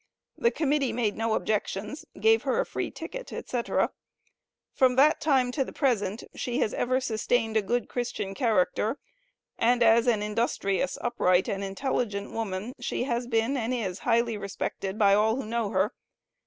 The Committee made no objections, gave her a free ticket, etc. From that time to the present, she has ever sustained a good Christian character, and as an industrious, upright, and intelligent woman, she has been and is highly respected by all who know her.